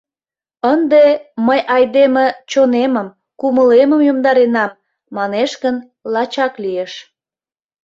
Ынде «мый айдеме чонемым, кумылемым йомдаренам» манеш гын, лачак лиеш.